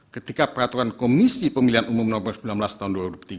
ketika peraturan komisi pemilihan umum nomor sembilan belas tahun dua ribu tiga